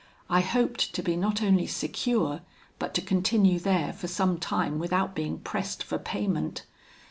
I hoped to be not only secure, but to continue there for some time without being pressed for payment.